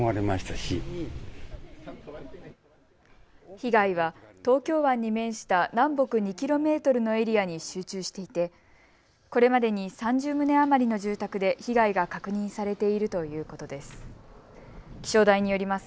被害は東京湾に面した南北２キロメートルのエリアに集中していてこれまでに３０棟余りの住宅で被害が確認されているということです。